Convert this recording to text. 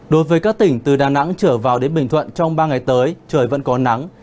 đối với các tỉnh từ đà nẵng trở vào đến bình thuận trong ba ngày tới trời vẫn có nắng